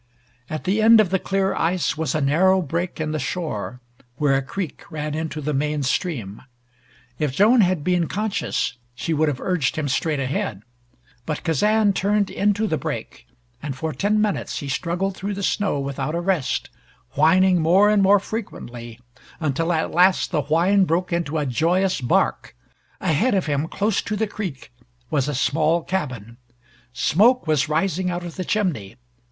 At the end of the clear ice was a narrow break in the shore, where a creek ran into the main stream. If Joan had been conscious she would have urged him straight ahead. But Kazan turned into the break, and for ten minutes he struggled through the snow without a rest, whining more and more frequently, until at last the whine broke into a joyous bark. Ahead of him, close to the creek, was a small cabin. Smoke was rising out of the chimney.